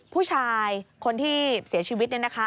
ผู้ชายคนที่เสียชีวิตเนี่ยนะคะ